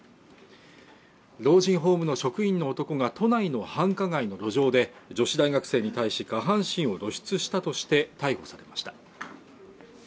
老人ホームの職員の男が都内の繁華街の路上で女子大学生に対し下半身を露出したとして逮捕されました